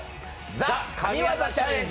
「ＴＨＥ神業チャレンジ」